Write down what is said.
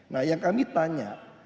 nah yang kami tanya